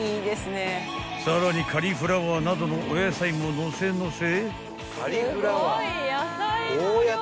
［さらにカリフラワーなどのお野菜ものせのせ］